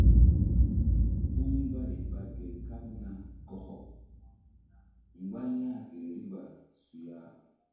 Puh mbay ɓa gel kaɓ na kɔkɔ mgba ya̧h ke riɓa suya.